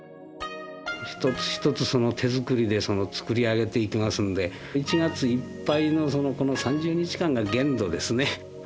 一つ一つ手作りで作り上げていきますので１月いっぱいの３０日間が限度ですね。